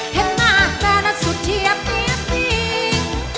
เห็นหน้าแฟนอันสุดเทียบเทียบจริง